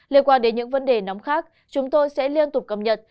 liên quan đến những vấn đề nóng khác chúng tôi sẽ liên tục cập nhật